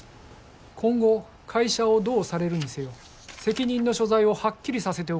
今後会社をどうされるにせよ責任の所在をはっきりさせておく必要があります。